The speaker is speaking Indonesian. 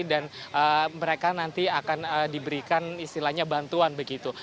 dan mereka nanti akan diberikan istilahnya bantuan begitu